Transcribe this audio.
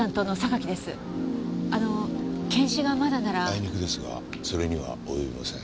あいにくですがそれには及びません。